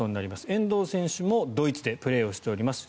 遠藤選手もドイツでプレーをしております。